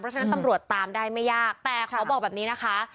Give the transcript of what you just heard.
ฉะนั้นตำรวจตามได้ไม่ยากแต่ขอบอกแบบนี้นะคะ